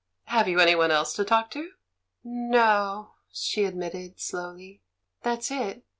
"Have you anybody else to talk to?" "No," she admitted, slowly, "that's it.